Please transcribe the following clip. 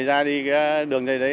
ra đi đường dây đấy